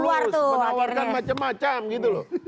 menawarkan klus menawarkan macam macam gitu loh